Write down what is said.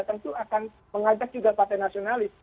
tentu akan mengajak juga partai nasionalis